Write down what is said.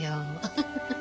フフフッ。